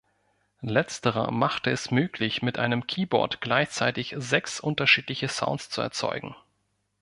Letzterer machte es möglich, mit einem Keyboard gleichzeitig sechs unterschiedliche Sounds zu erzeugen.